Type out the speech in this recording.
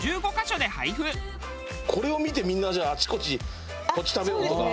これを見てみんなじゃああちこちこっち食べようとか。